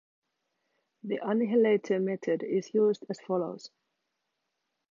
The annihilator method is used as follows.